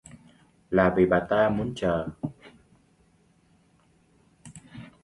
là vì bà ta muốn chờ